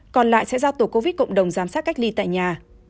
còn lại sẽ do tổ covid cộng đồng giám sát cách ly tại nhà